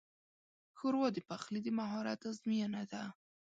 ښوروا د پخلي د مهارت ازموینه ده.